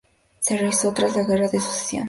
Se rehízo tras la Guerra de Sucesión.